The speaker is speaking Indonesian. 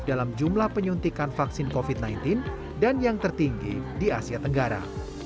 dalam jumlah penyuntikan vaksin covid sembilan belas dan yang tertinggi di asia tenggara